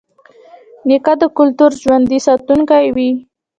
نیکه د کلتور ژوندي ساتونکی وي.